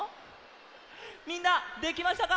みんなできましたか？